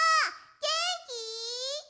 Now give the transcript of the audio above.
げんき？